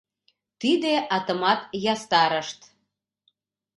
Тиде атымат ястарышт.